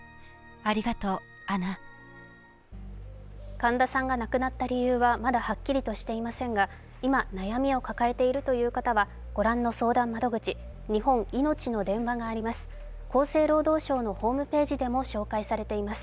神田さんが亡くなった理由はまだはっきりとしていませんが今、悩みを抱えているという方は、御覧の相談窓口、日本いのちの電話があります。